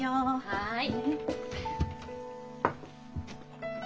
はい。